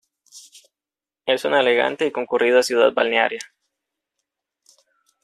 Es una elegante y concurrida ciudad balnearia.